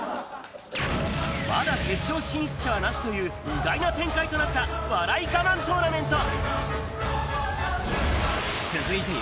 まだ決勝進出者はなしという、意外な展開となった、笑いガマントーナメント。